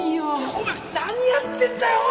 お前何やってんだよおい